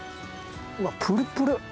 うわプルプル！